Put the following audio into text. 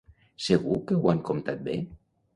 Segur que ho han comptat bé?